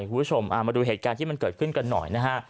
คุณผู้ชมมาดูเหตุการณ์ที่มันเกิดขึ้นกันหน่อยนะฮะ